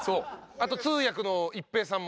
あと通訳の一平さんも。